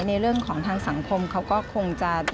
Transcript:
ในเรื่องของทางสังคมเขาก็คงจะ